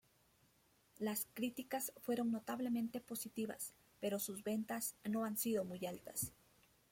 Las críticas fueron notablemente positivas, pero sus ventas no han sido muy altas.